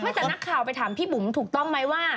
แต่นักข่าวไปถามพี่บุ๋มถูกต้องไหมว่า